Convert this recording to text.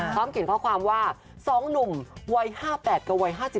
พร้อมเขียนข้อความว่าสองหนุ่มวัย๕๘กับวัย๕๒